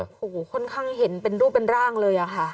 โอ้โหค่อนข้างเห็นเป็นรูปเป็นร่างเลยอะค่ะ